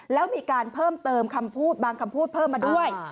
แล้วมีการเพิ่มเติมคำพูดบางคำพูดเพิ่มมาด้วย